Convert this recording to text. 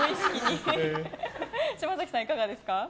島崎さん、いかがですか？